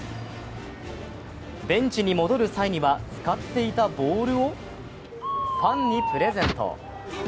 ベンチに戻る際には使っていたボールをファンにプレゼント。